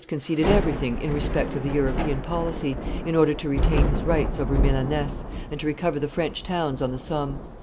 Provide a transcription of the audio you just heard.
conceded everything in respect of the European policy in order to retain his rights over Milaness and to recover the French towns on the Somme.